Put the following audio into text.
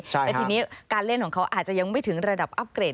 และทีนี้การเล่นของเขาอาจจะยังไม่ถึงระดับอัพเกรด